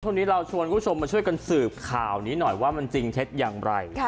ช่วงนี้เราชวนคุณผู้ชมมาช่วยกันสืบข่าวนี้หน่อยว่ามันจริงเท็จอย่างไร